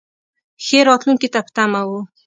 ښې راتلونکې ته په تمه و.